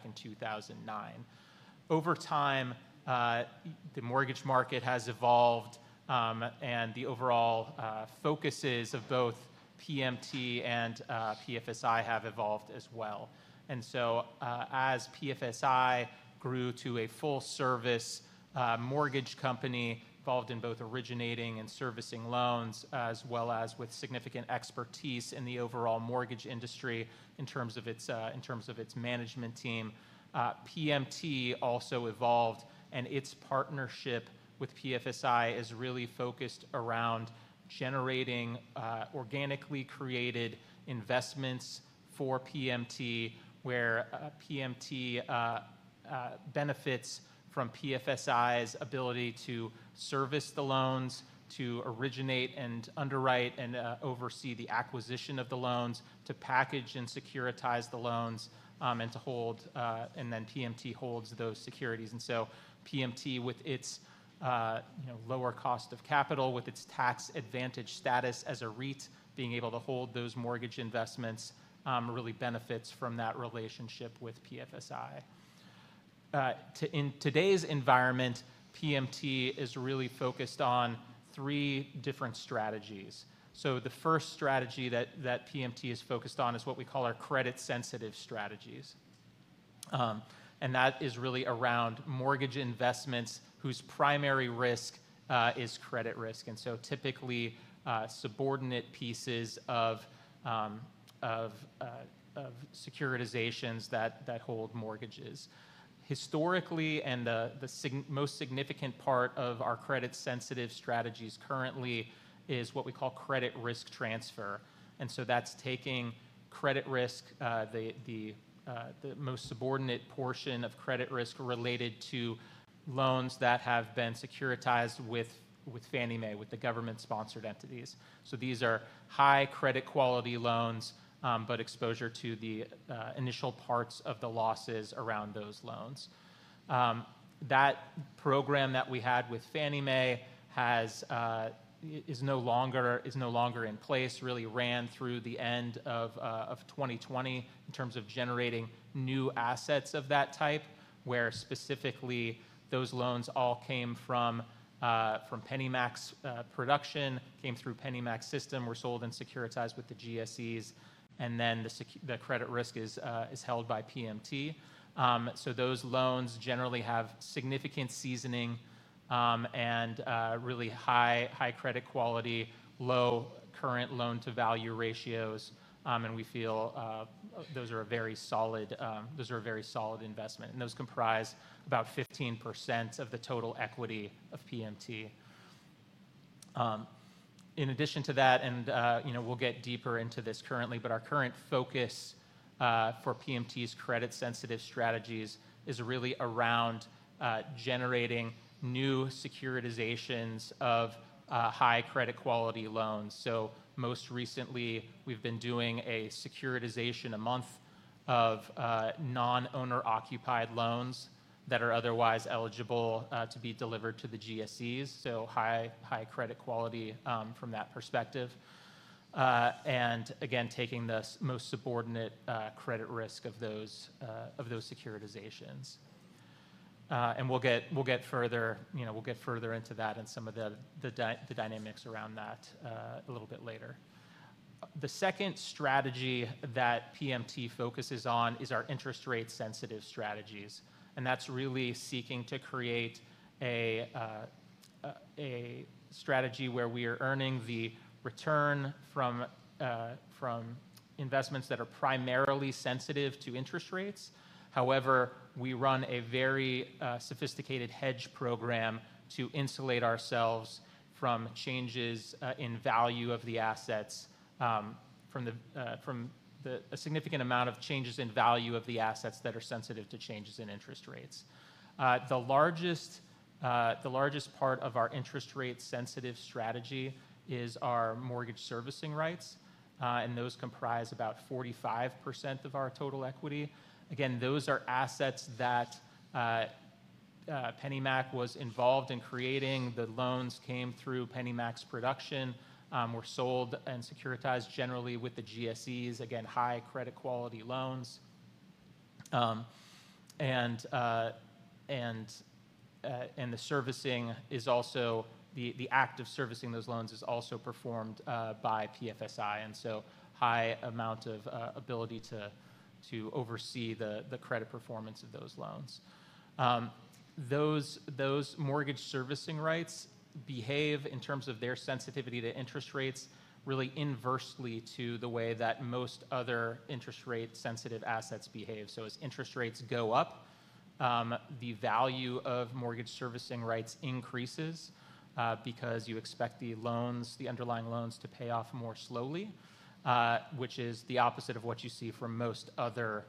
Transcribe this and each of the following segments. Back in 2009. Over time, the mortgage market has evolved, and the overall focuses of both PMT and PFSI have evolved as well. As PFSI grew to a full-service mortgage company involved in both originating and servicing loans, as well as with significant expertise in the overall mortgage industry in terms of its management team, PMT also evolved. Its partnership with PFSI is really focused around generating organically created investments for PMT, where PMT benefits from PFSI's ability to service the loans, to originate and underwrite and oversee the acquisition of the loans, to package and securitize the loans, and to hold, and then PMT holds those securities. PMT, with its lower cost of capital, with its tax-advantaged status as a REIT, being able to hold those mortgage investments, really benefits from that relationship with PFSI. In today's environment, PMT is really focused on three different strategies. The first strategy that PMT is focused on is what we call our credit-sensitive strategies. That is really around mortgage investments whose primary risk is credit risk. Typically, subordinate pieces of securitizations that hold mortgages. Historically, and the most significant part of our credit-sensitive strategies currently is what we call credit risk transfer. That is taking credit risk, the most subordinate portion of credit risk related to loans that have been securitized with Fannie Mae, with the government-sponsored entities. These are high credit quality loans, but exposure to the initial parts of the losses around those loans. That program that we had with Fannie Mae is no longer in place, really ran through the end of 2020 in terms of generating new assets of that type, where specifically those loans all came from PennyMac's production, came through PennyMac's system, were sold and securitized with the GSEs, and then the credit risk is held by PMT. Those loans generally have significant seasoning and really high credit quality, low current loan-to-value ratios, and we feel those are a very solid investment. Those comprise about 15% of the total equity of PMT. In addition to that, and we'll get deeper into this currently, our current focus for PMT's credit-sensitive strategies is really around generating new securitizations of high credit quality loans. Most recently, we've been doing a securitization a month of non-owner-occupied loans that are otherwise eligible to be delivered to the GSEs, so high credit quality from that perspective. Again, taking the most subordinate credit risk of those securitizations. We'll get further into that and some of the dynamics around that a little bit later. The second strategy that PMT focuses on is our interest rate-sensitive strategies. That's really seeking to create a strategy where we are earning the return from investments that are primarily sensitive to interest rates. However, we run a very sophisticated hedge program to insulate ourselves from changes in value of the assets, from a significant amount of changes in value of the assets that are sensitive to changes in interest rates. The largest part of our interest rate-sensitive strategy is our mortgage servicing rights, and those comprise about 45% of our total equity. Again, those are assets that PennyMac was involved in creating. The loans came through PennyMac's production, were sold and securitized generally with the GSEs, again, high credit quality loans. The servicing is also the act of servicing those loans is also performed by PFSI, and so high amount of ability to oversee the credit performance of those loans. Those mortgage servicing rights behave in terms of their sensitivity to interest rates really inversely to the way that most other interest rate-sensitive assets behave. As interest rates go up, the value of mortgage servicing rights increases because you expect the loans, the underlying loans, to pay off more slowly, which is the opposite of what you see from most other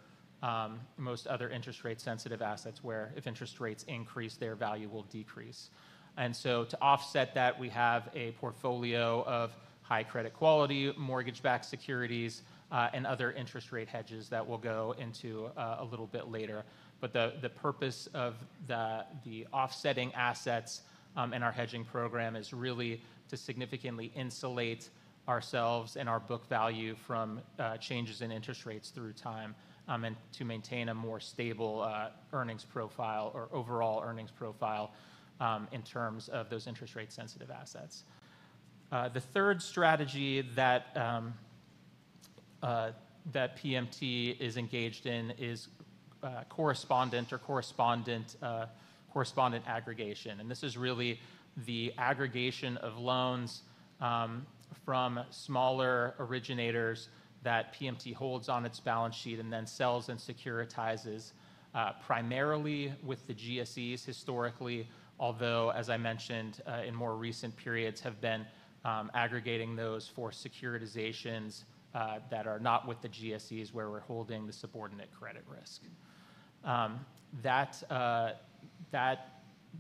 interest rate-sensitive assets where if interest rates increase, their value will decrease. To offset that, we have a portfolio of high credit quality mortgage-backed securities and other interest rate hedges that we'll go into a little bit later. The purpose of the offsetting assets in our hedging program is really to significantly insulate ourselves and our book value from changes in interest rates through time and to maintain a more stable earnings profile or overall earnings profile in terms of those interest rate-sensitive assets. The third strategy that PMT is engaged in is correspondent aggregation. This is really the aggregation of loans from smaller originators that PMT holds on its balance sheet and then sells and securitizes primarily with the GSEs historically, although, as I mentioned, in more recent periods have been aggregating those for securitizations that are not with the GSEs where we're holding the subordinate credit risk. That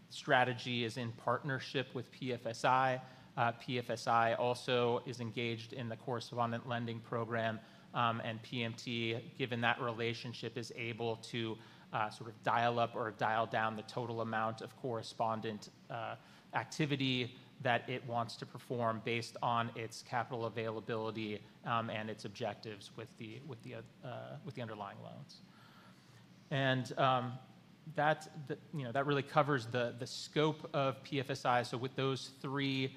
strategy is in partnership with PFSI. PFSI also is engaged in the correspondent lending program, and PMT, given that relationship, is able to sort of dial up or dial down the total amount of correspondent activity that it wants to perform based on its capital availability and its objectives with the underlying loans. That really covers the scope of PFSI. With those three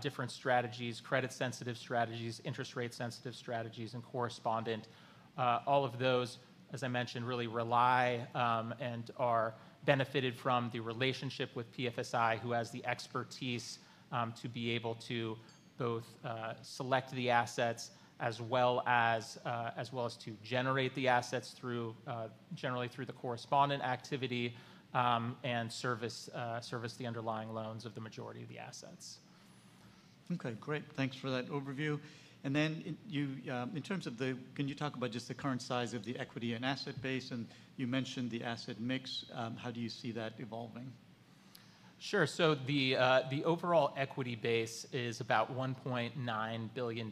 different strategies—credit-sensitive strategies, interest rate-sensitive strategies, and correspondent—all of those, as I mentioned, really rely and are benefited from the relationship with PFSI, who has the expertise to be able to both select the assets as well as to generate the assets generally through the correspondent activity and service the underlying loans of the majority of the assets. Okay. Great. Thanks for that overview. In terms of the—can you talk about just the current size of the equity and asset base? You mentioned the asset mix. How do you see that evolving? Sure. The overall equity base is about $1.9 billion.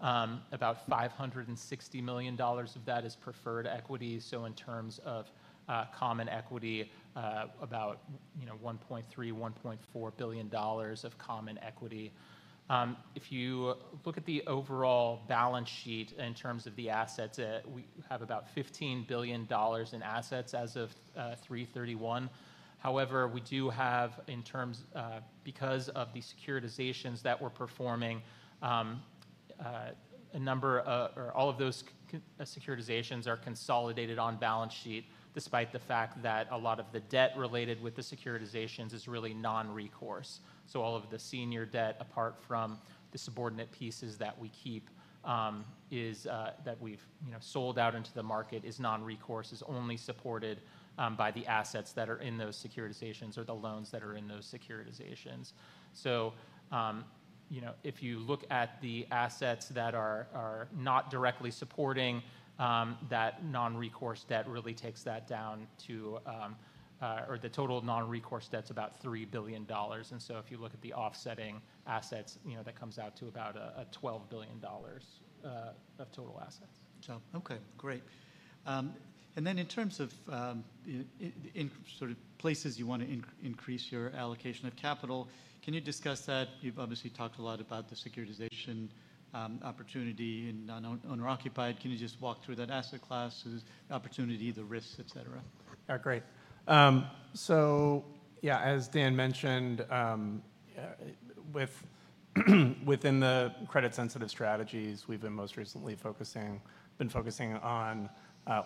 About $560 million of that is preferred equity. In terms of common equity, about $1.3 billion-$1.4 billion of common equity. If you look at the overall balance sheet in terms of the assets, we have about $15 billion in assets as of 3/31. However, we do have, because of the securitizations that we're performing, a number of—or all of those securitizations are consolidated on balance sheet, despite the fact that a lot of the debt related with the securitizations is really non-recourse. All of the senior debt, apart from the subordinate pieces that we keep that we've sold out into the market, is non-recourse, is only supported by the assets that are in those securitizations or the loans that are in those securitizations. If you look at the assets that are not directly supporting that non-recourse debt, it really takes that down to—or the total non-recourse debt is about $3 billion. If you look at the offsetting assets, that comes out to about $12 billion of total assets. Okay. Great. In terms of sort of places you want to increase your allocation of capital, can you discuss that? You've obviously talked a lot about the securitization opportunity in non-owner-occupied. Can you just walk through that asset class, the opportunity, the risks, etc.? Yeah. Great. So, yeah, as Dan mentioned, within the credit-sensitive strategies, we've been most recently focusing on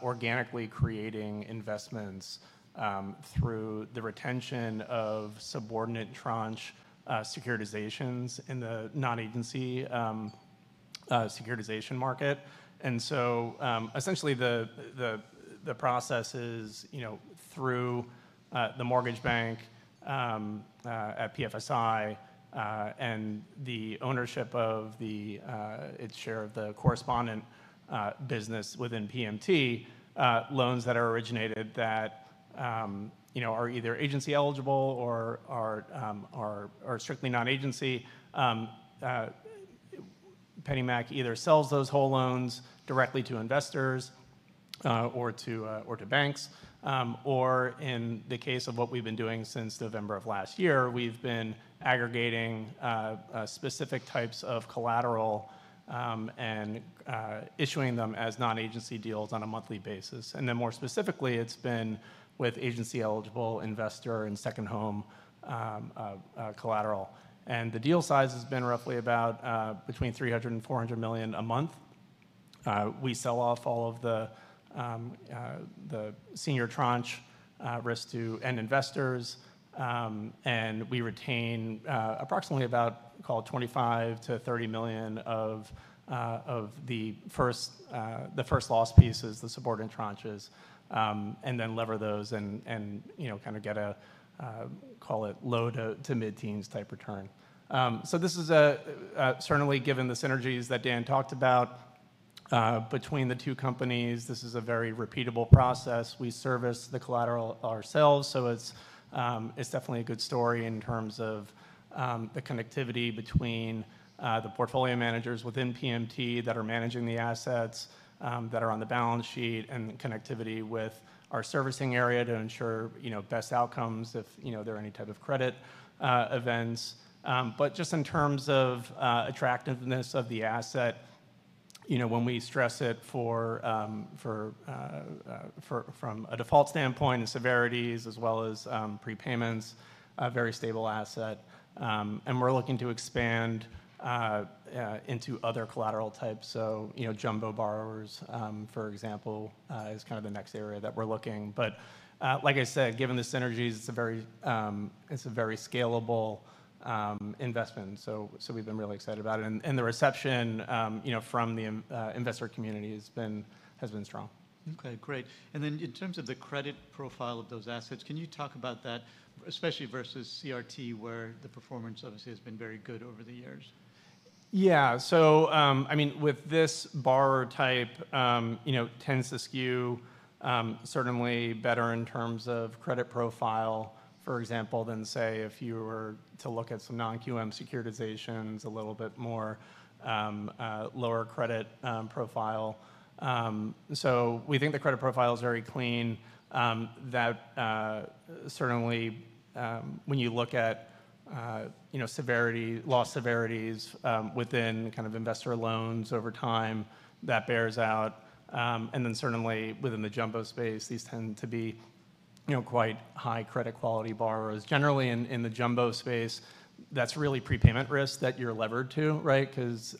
organically creating investments through the retention of subordinate tranche securitizations in the non-agency securitization market. Essentially, the process is through the mortgage bank at PFSI and the ownership of its share of the correspondent business within PMT, loans that are originated that are either agency eligible or are strictly non-agency. PennyMac either sells those whole loans directly to investors or to banks. In the case of what we've been doing since November of last year, we've been aggregating specific types of collateral and issuing them as non-agency deals on a monthly basis. More specifically, it's been with agency-eligible investor and second home collateral. The deal size has been roughly about between $300 million and $400 million a month. We sell off all of the senior tranche risk to end investors, and we retain approximately about, call it $25 million-$30 million of the first loss pieces, the subordinate tranches, and then lever those and kind of get a, call it low to mid-teens type return. This is certainly, given the synergies that Dan talked about between the two companies, a very repeatable process. We service the collateral ourselves. It is definitely a good story in terms of the connectivity between the portfolio managers within PMT that are managing the assets that are on the balance sheet and connectivity with our servicing area to ensure best outcomes if there are any type of credit events. Just in terms of attractiveness of the asset, when we stress it from a default standpoint and severities as well as prepayments, very stable asset. We are looking to expand into other collateral types. Jumbo borrowers, for example, is kind of the next area that we are looking. Like I said, given the synergies, it is a very scalable investment. We have been really excited about it. The reception from the investor community has been strong. Okay. Great. In terms of the credit profile of those assets, can you talk about that, especially versus CRT where the performance obviously has been very good over the years? Yeah. So I mean, with this borrower type, tends to skew certainly better in terms of credit profile, for example, than say if you were to look at some non-QM securitizations, a little bit more lower credit profile. So we think the credit profile is very clean. That certainly, when you look at loss severities within kind of investor loans over time, that bears out. Certainly within the jumbo space, these tend to be quite high credit quality borrowers. Generally in the jumbo space, that is really prepayment risk that you are levered to, right? Because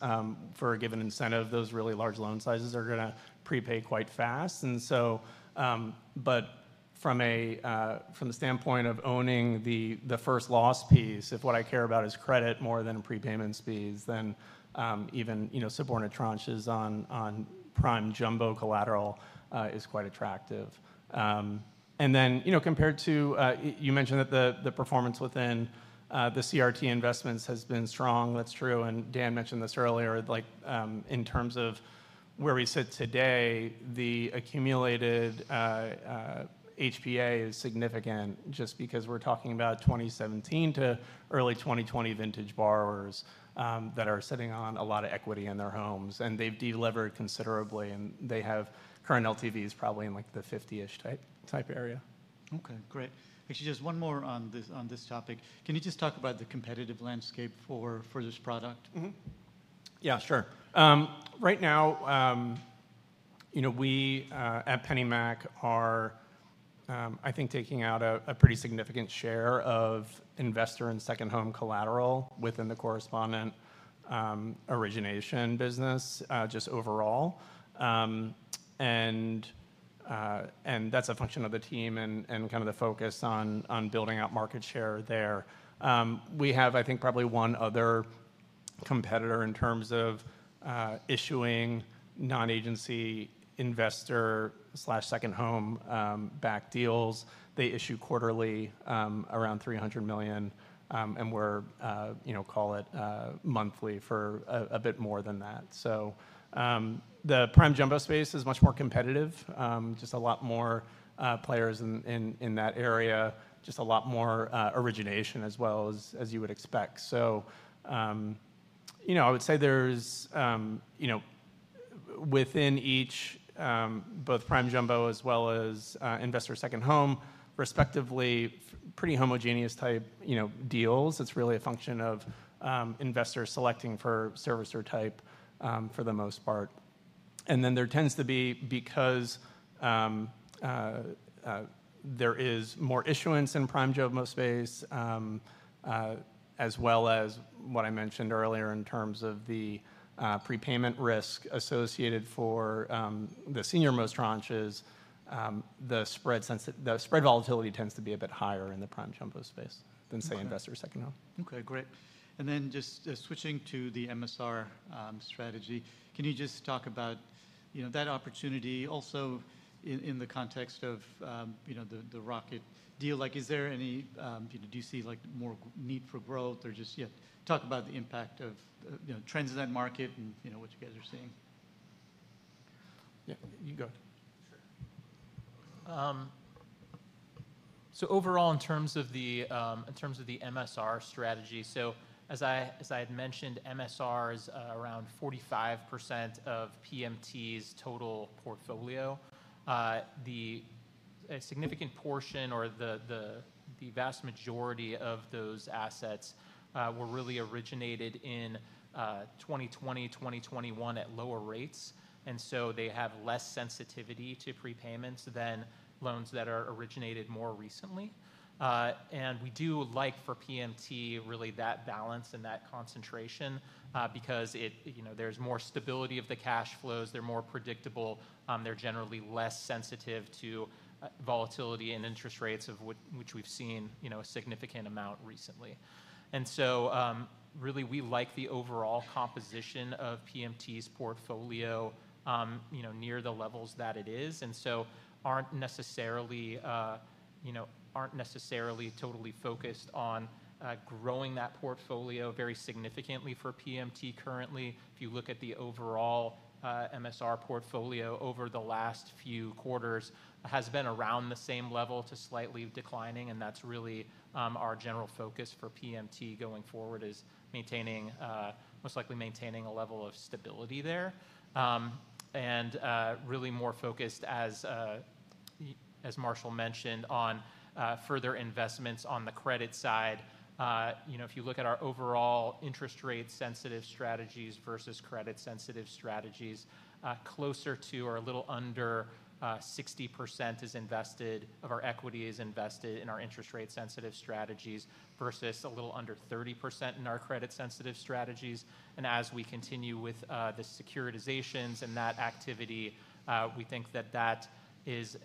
for a given incentive, those really large loan sizes are going to prepay quite fast. From the standpoint of owning the first loss piece, if what I care about is credit more than prepayment speeds, then even subordinate tranches on prime jumbo collateral is quite attractive. Compared to, you mentioned that the performance within the CRT investments has been strong. That's true. Dan mentioned this earlier. In terms of where we sit today, the accumulated HPA is significant just because we're talking about 2017 to early 2020 vintage borrowers that are sitting on a lot of equity in their homes. They've delivered considerably. They have current LTVs probably in like the 50-ish type area. Okay. Great. Actually, just one more on this topic. Can you just talk about the competitive landscape for this product? Yeah. Sure. Right now, we at PennyMac are, I think, taking out a pretty significant share of investor and second home collateral within the correspondent origination business just overall. That is a function of the team and kind of the focus on building out market share there. We have, I think, probably one other competitor in terms of issuing non-agency investor/second home back deals. They issue quarterly around $300 million, and we will call it monthly for a bit more than that. The prime jumbo space is much more competitive, just a lot more players in that area, just a lot more origination as well as you would expect. I would say there is within each, both prime jumbo as well as investor second home, respectively, pretty homogeneous type deals. It is really a function of investor selecting for servicer type for the most part. There tends to be, because there is more issuance in prime jumbo space as well as what I mentioned earlier in terms of the prepayment risk associated for the senior most tranches, the spread volatility tends to be a bit higher in the prime jumbo space than, say, investor second home. Okay. Great. Just switching to the MSR strategy, can you just talk about that opportunity also in the context of the Rocket deal? Is there any—do you see more need for growth or just—yeah, talk about the impact of trends in that market and what you guys are seeing. Yeah. You go ahead. Sure. Overall, in terms of the MSR strategy, as I had mentioned, MSR is around 45% of PMT's total portfolio. A significant portion or the vast majority of those assets were really originated in 2020, 2021 at lower rates. They have less sensitivity to prepayments than loans that are originated more recently. We do like for PMT really that balance and that concentration because there is more stability of the cash flows. They are more predictable. They are generally less sensitive to volatility and interest rates, which we have seen a significant amount recently. Really, we like the overall composition of PMT's portfolio near the levels that it is and so are not necessarily totally focused on growing that portfolio very significantly for PMT currently. If you look at the overall MSR portfolio over the last few quarters, it has been around the same level to slightly declining. That is really our general focus for PMT going forward, is most likely maintaining a level of stability there and really more focused, as Marshall mentioned, on further investments on the credit side. If you look at our overall interest rate-sensitive strategies versus credit-sensitive strategies, closer to or a little under 60% of our equity is invested in our interest rate-sensitive strategies versus a little under 30% in our credit-sensitive strategies. As we continue with the securitizations and that activity, we think that that is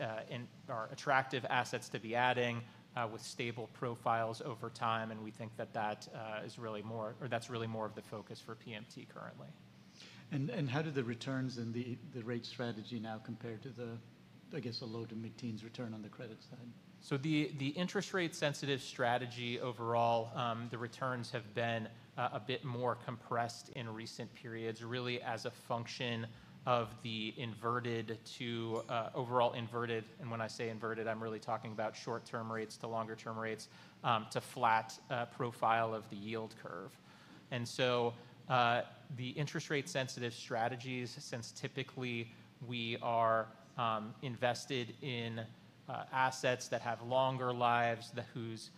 our attractive assets to be adding with stable profiles over time. We think that that is really more—or that is really more of the focus for PMT currently. How do the returns and the rate strategy now compare to the, I guess, a low to mid-teens return on the credit side? The interest rate-sensitive strategy overall, the returns have been a bit more compressed in recent periods, really as a function of the overall inverted. When I say inverted, I'm really talking about short-term rates to longer-term rates to flat profile of the yield curve. The interest rate-sensitive strategies, since typically we are invested in assets that have longer lives, whose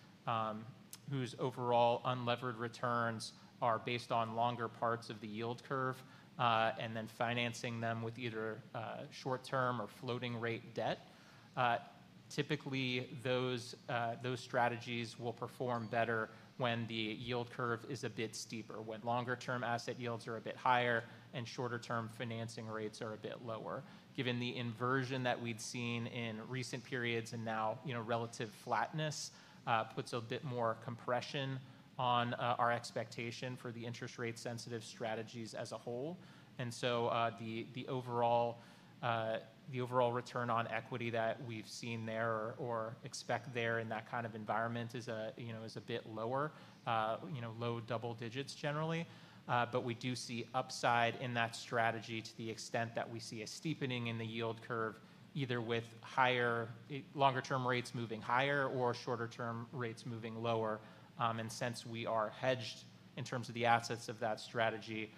overall unlevered returns are based on longer parts of the yield curve, and then financing them with either short-term or floating-rate debt, typically those strategies will perform better when the yield curve is a bit steeper, when longer-term asset yields are a bit higher and shorter-term financing rates are a bit lower. Given the inversion that we'd seen in recent periods and now relative flatness puts a bit more compression on our expectation for the interest rate-sensitive strategies as a whole. The overall return on equity that we've seen there or expect there in that kind of environment is a bit lower, low double digits generally. We do see upside in that strategy to the extent that we see a steepening in the yield curve, either with longer-term rates moving higher or shorter-term rates moving lower. Since we are hedged in terms of the assets of that strategy,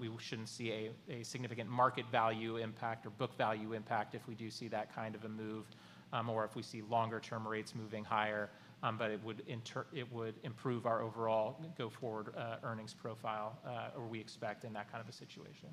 we shouldn't see a significant market value impact or book value impact if we do see that kind of a move or if we see longer-term rates moving higher. It would improve our overall go forward earnings profile or we expect in that kind of a situation.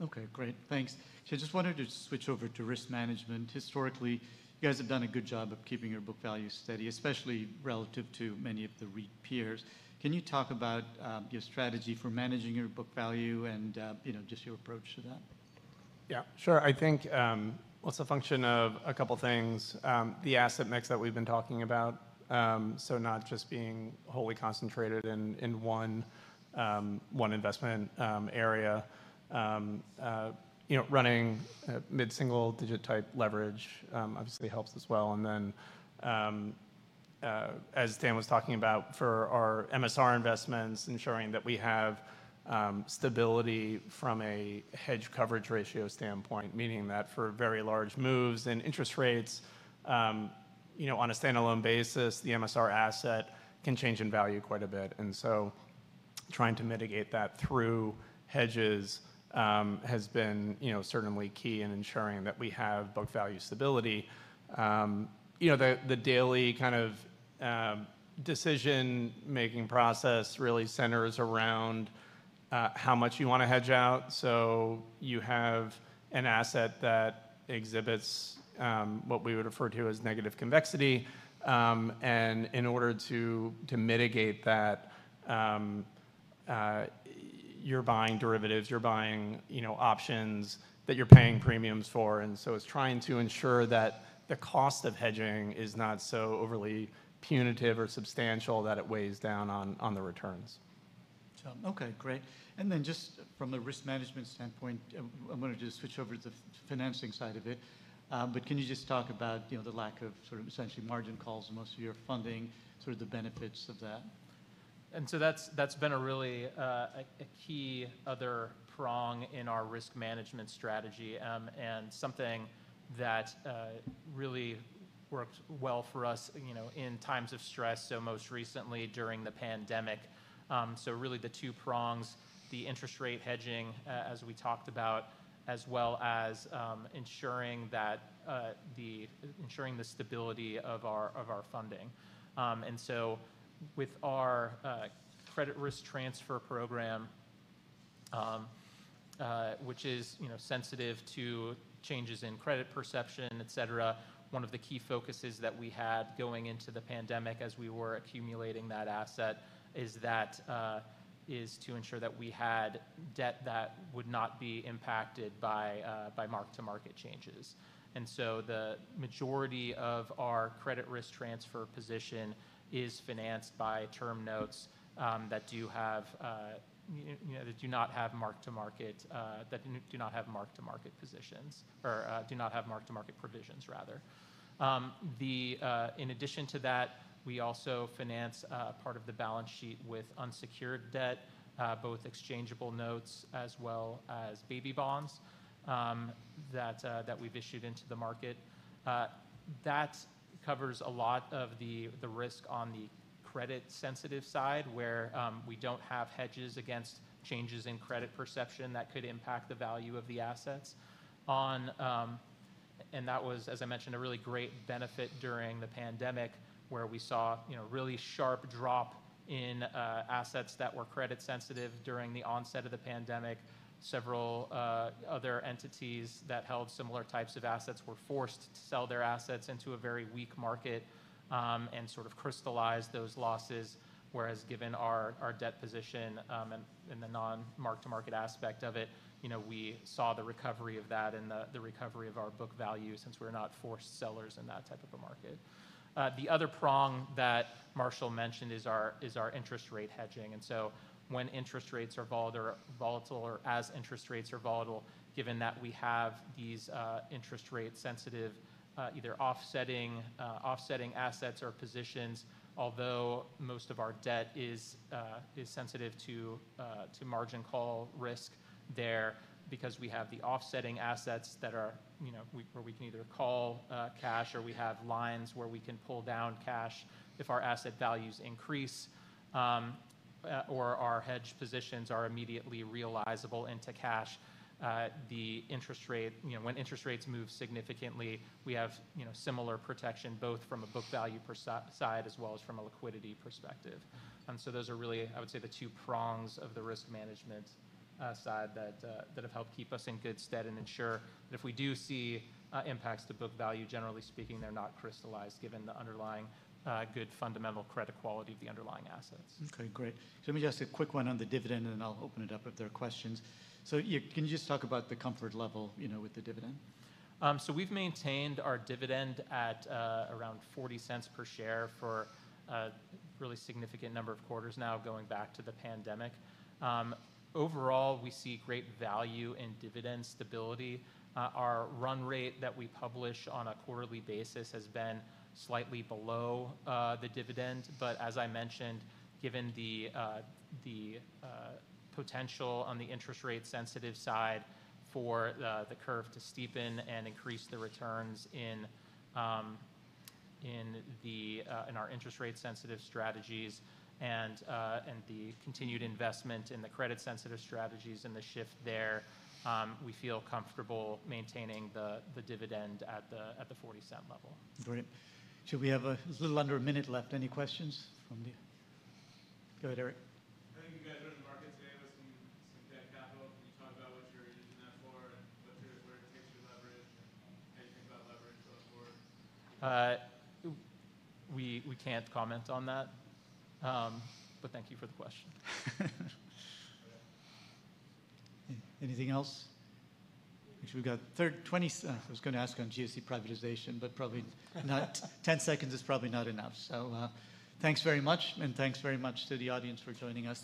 Okay. Great. Thanks. I just wanted to switch over to risk management. Historically, you guys have done a good job of keeping your book value steady, especially relative to many of the peers. Can you talk about your strategy for managing your book value and just your approach to that? Yeah. Sure. I think it's a function of a couple of things. The asset mix that we've been talking about, so not just being wholly concentrated in one investment area. Running mid-single digit type leverage obviously helps as well. As Dan was talking about for our MSR investments, ensuring that we have stability from a hedge coverage ratio standpoint, meaning that for very large moves in interest rates on a standalone basis, the MSR asset can change in value quite a bit. Trying to mitigate that through hedges has been certainly key in ensuring that we have book value stability. The daily kind of decision-making process really centers around how much you want to hedge out. You have an asset that exhibits what we would refer to as negative convexity. In order to mitigate that, you're buying derivatives. You're buying options that you're paying premiums for. It's trying to ensure that the cost of hedging is not so overly punitive or substantial that it weighs down on the returns. Okay. Great. Just from the risk management standpoint, I wanted to switch over to the financing side of it. Can you just talk about the lack of sort of essentially margin calls in most of your funding, sort of the benefits of that? That has been a really key other prong in our risk management strategy and something that really worked well for us in times of stress, most recently during the pandemic. Really, the two prongs, the interest rate hedging, as we talked about, as well as ensuring the stability of our funding. With our credit risk transfer program, which is sensitive to changes in credit perception, one of the key focuses that we had going into the pandemic as we were accumulating that asset is to ensure that we had debt that would not be impacted by mark-to-market changes. The majority of our credit risk transfer position is financed by term notes that do not have mark-to-market, that do not have mark-to-market positions or do not have mark-to-market provisions, rather. In addition to that, we also finance part of the balance sheet with unsecured debt, both exchangeable notes as well as baby bonds that we've issued into the market. That covers a lot of the risk on the credit-sensitive side where we don't have hedges against changes in credit perception that could impact the value of the assets. That was, as I mentioned, a really great benefit during the pandemic where we saw a really sharp drop in assets that were credit-sensitive during the onset of the pandemic. Several other entities that held similar types of assets were forced to sell their assets into a very weak market and sort of crystallize those losses. Whereas given our debt position and the non-mark-to-market aspect of it, we saw the recovery of that and the recovery of our book value since we're not forced sellers in that type of a market. The other prong that Marshall mentioned is our interest rate hedging. When interest rates are volatile or as interest rates are volatile, given that we have these interest rate-sensitive either offsetting assets or positions, although most of our debt is sensitive to margin call risk there because we have the offsetting assets where we can either call cash or we have lines where we can pull down cash if our asset values increase or our hedge positions are immediately realizable into cash. When interest rates move significantly, we have similar protection both from a book value side as well as from a liquidity perspective. Those are really, I would say, the two prongs of the risk management side that have helped keep us in good stead and ensure that if we do see impacts to book value, generally speaking, they're not crystallized given the underlying good fundamental credit quality of the underlying assets. Okay. Great. Let me just ask a quick one on the dividend, and then I'll open it up if there are questions. Can you just talk about the comfort level with the dividend? We have maintained our dividend at around $0.40 per share for a really significant number of quarters now going back to the pandemic. Overall, we see great value in dividend stability. Our run rate that we publish on a quarterly basis has been slightly below the dividend. As I mentioned, given the potential on the interest rate-sensitive side for the curve to steepen and increase the returns in our interest rate-sensitive strategies and the continued investment in the credit-sensitive strategies and the shift there, we feel comfortable maintaining the dividend at the $0.40 level. Great. We have a little under a minute left. Any questions from the—go ahead, Eric. How do you guys run the market today with some debt capital? Can you talk about what you're using that for and where it takes your leverage and how you think about leverage going forward? We can't comment on that, but thank you for the question. Anything else? Actually, we've got 20—I was going to ask on GSE privatization, but probably not. Ten seconds is probably not enough. Thanks very much, and thanks very much to the audience for joining us.